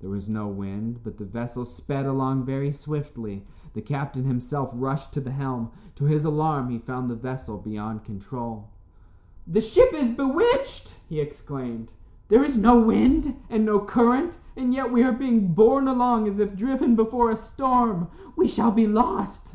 There was no wind, but the vessel sped along very swiftly. The captain himself rushed to the helm. To his alarm he found the vessel beyond control. "The ship is bewitched," he exclaimed. "There is no wind, and no current, and yet we are being borne along as if driven before a storm. We shall be lost."